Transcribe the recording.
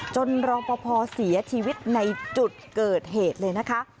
รอปภเสียชีวิตในจุดเกิดเหตุเลยนะคะ